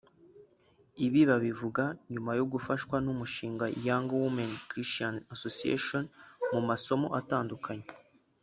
Ibi babivuga nyuma yo gufashwa n’umushinga Young Women Christian Association mu masomo atandukanye